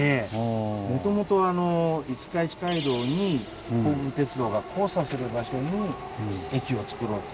もともと五日市街道に甲武鉄道が交差する場所に駅をつくろうと。